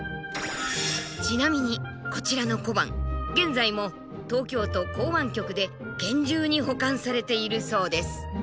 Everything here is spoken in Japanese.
ちなみにこちらの小判現在も東京都港湾局で厳重に保管されているそうです。